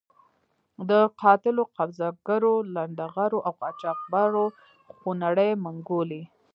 د قاتلو، قبضه ګرو، لنډه غرو او قاچاق برو خونړۍ منګولې.